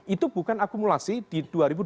itu bukan akumulasi di dua ribu dua puluh